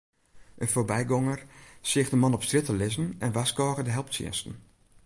In foarbygonger seach de man op strjitte lizzen en warskôge de helptsjinsten.